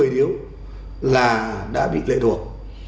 sáu một mươi điếu là đã bị lệ thuộc